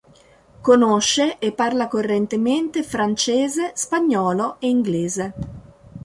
Conosce e parla correntemente francese, spagnolo e inglese.